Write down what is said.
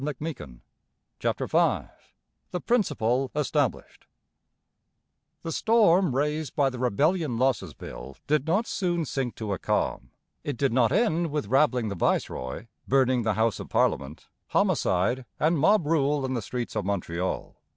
CHAPTER V THE PRINCIPLE ESTABLISHED The storm raised by the Rebellion Losses Bill did not soon sink to a calm. It did not end with rabbling the viceroy, burning the House of Parliament, homicide, and mob rule in the streets of Montreal.